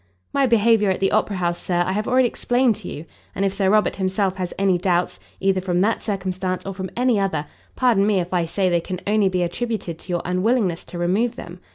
"My behaviour at the Opera house, Sir, I have already explained to you; and if Sir Robert himself has any doubts, either from that circumstance or from any other, pardon me if I say they can only be attributed to your unwillingness to remove them.